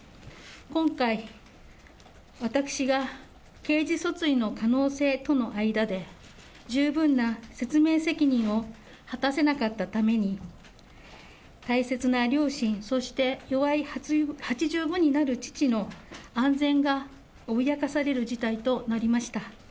今回、私が刑事訴追の可能性との間で、十分な説明責任を果たせなかったために、大切な両親、そして齢８５になる父の安全が脅かされる事態となりました。